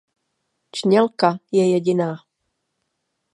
Čnělka je jediná.